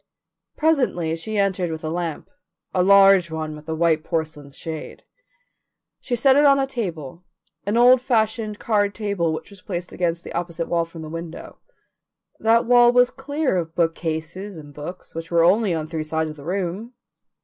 Presently she entered with a lamp a large one with a white porcelain shade. She set it on a table, an old fashioned card table which was placed against the opposite wall from the window. That wall was clear of bookcases and books, which were only on three sides of the room.